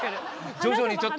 徐々にちょっと。